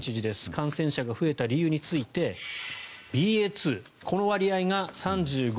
感染者が増えた理由についてＢＡ．２の割合が３５．４％。